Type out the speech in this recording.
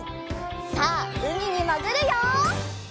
さあうみにもぐるよ！